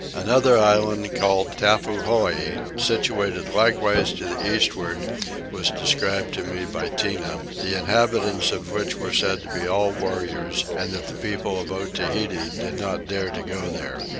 Another island called Tappuhoi, situated likewise to the eastward, was described to me by Tinah, the inhabitants of which were said to be all warriors, and that the people of Otaheite did not dare to go there.